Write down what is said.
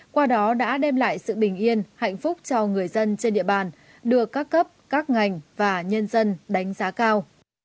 qua đó đã đem lại sự bình yên hạnh phúc cho người dân trên địa bàn được các cấp các ngành và nhân dân đánh giá cao